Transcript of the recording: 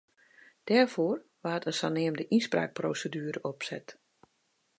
Dêrfoar waard in saneamde ynspraakproseduere opset.